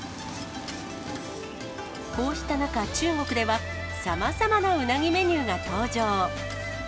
こうした中、中国ではさまざまなうなぎメニューが登場。